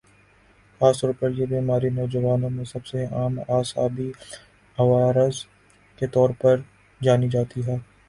خاص طور پر یہ بیماری نوجوانوں میں سب سے عام اعصابی عوارض کے طور پر جانی جاتی ہے